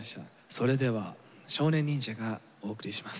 それでは少年忍者がお送りします。